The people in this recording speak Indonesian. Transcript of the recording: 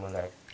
biar melek sih